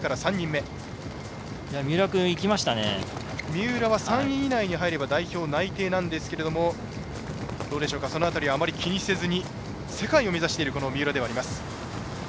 三浦は３位以内に入れば代表内定ですが、どうでしょうかその辺りは、あまり気にせずに世界を目指している三浦になります。